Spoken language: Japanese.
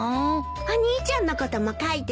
お兄ちゃんのことも書いてるわ。